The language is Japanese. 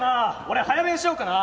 俺早弁しようかな」。